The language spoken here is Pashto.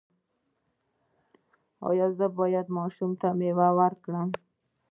ایا زه باید ماشوم ته میوه ورکړم؟